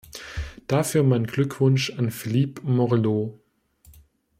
Dafür mein Glückwunsch an Philippe Morillon.